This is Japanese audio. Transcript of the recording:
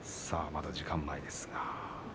まだ時間前です。